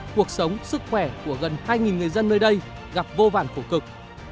cuộc sống sức khỏe của gần hai người dân nơi đây gặp vô vàn khổ cực